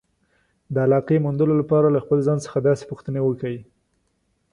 د علاقې موندلو لپاره له خپل ځان څخه داسې پوښتنې وکړئ.